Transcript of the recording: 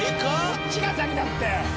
こっちが先だって！